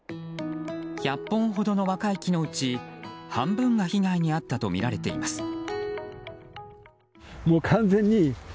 １００本ほどの若い木のうち半分が被害に遭ったとみられています。